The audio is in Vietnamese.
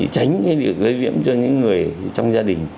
tránh cái lưỡi viễm cho những người trong gia đình